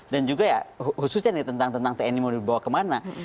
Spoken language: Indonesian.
dan juga ya khususnya nih tentang tni mau dibawa kemana